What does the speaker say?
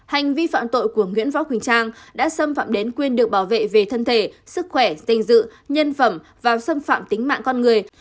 hành vi phạm tội của nguyễn võ huỳnh trang đã xâm phạm đến quyền được bảo vệ về thân thể sức khỏe danh dự nhân phẩm và xâm phạm tính mạng con người